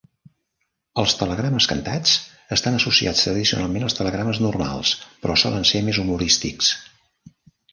Els telegrames cantats estan associats tradicionalment als telegrames normals, però solen ser més humorístics.